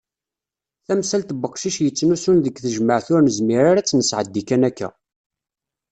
Tamsalt n uqcic yettnusun deg tejmaɛt ur nezmir ara ad tt-nesɛeddi kan akka.